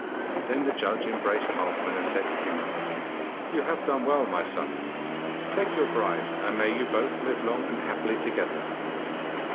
Then the judge embraced Halfman and said to him: 'You have done well, my son. Take your bride, and may you both live long and happily together!